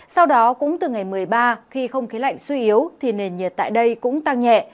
sau đó cũng từ ngày một mươi ba khi không khí lạnh suy yếu thì nền nhiệt tại đây cũng tăng nhẹ